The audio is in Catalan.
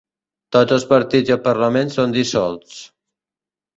Tots els partits i el Parlament són dissolts.